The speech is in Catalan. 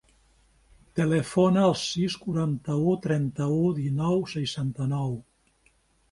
Telefona al sis, quaranta-u, trenta-u, dinou, seixanta-nou.